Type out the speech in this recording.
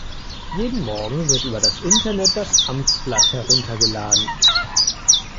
Jeden Morgen wird über das Internet das Amtsblatt heruntergeladen.